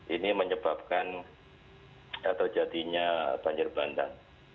ini menyebabkan terjadinya banjir bandang